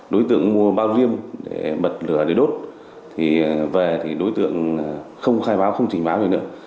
đối tượng mua bao riêng để bật lửa để đốt thì về thì đối tượng không khai báo không chỉnh báo gì nữa